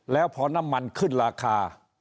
แล้วพอน้ำมันขึ้นราคา